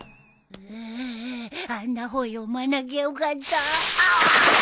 ううあんな本読まなきゃよかった。